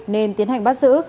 nên tiến hành bắt giữ